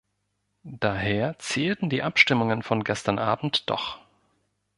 Daher zählten die Abstimmungen von gestern abend doch.